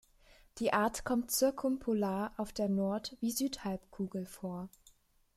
Die Art kommt zirkumpolar auf der Nord- wie Südhalbkugel vor.